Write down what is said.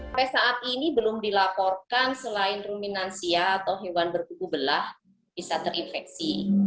sampai saat ini belum dilaporkan selain ruminansia atau hewan berkuku belah bisa terinfeksi